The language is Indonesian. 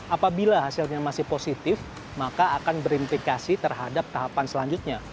apabila hasilnya masih positif maka akan berimplikasi terhadap tahapan selanjutnya